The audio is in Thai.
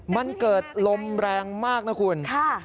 มันเกิดลมแรงมากนะคุณ